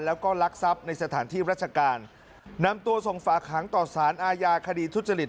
แล้วก็ลักทรัพย์ในสถานที่ราชการนำตัวส่งฝากหางต่อสารอาญาคดีทุจริต